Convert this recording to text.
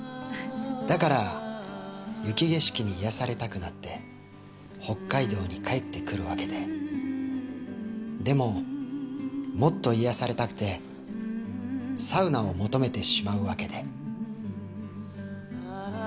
だから雪景色に癒やされたくなって、北海道に帰ってくるわけで、でも、もっと癒やされたくて、サウナを求めてしまうわけで。